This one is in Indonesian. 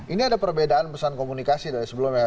ini ada perbedaan pesan komunikasi dari sebelumnya